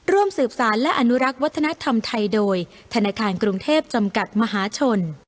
ร่วมสืบสารและอนุรักษ์วัฒนธรรมไทยโดยธนาคารกรุงเทพจำกัดมหาชน